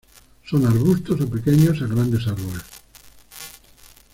Son arbustos o pequeños a grandes árboles.